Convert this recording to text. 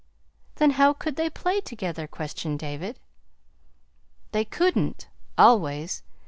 "Then how could they play together?" questioned David. "They couldn't, ALWAYS.